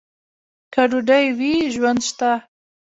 که ډوډۍ وي، ژوند شته.